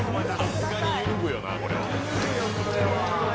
さすがに揺らぐよな、これは。